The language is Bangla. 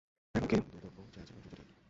এমনি দুর্দৈব যে, মানুষও জুটিয়া গেল।